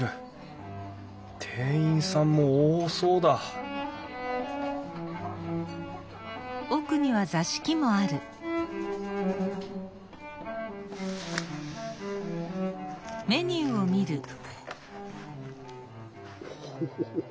店員さんも多そうだオホホホ。